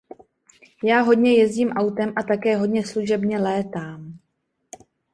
Já hodně jezdím autem a také hodně služebně létám.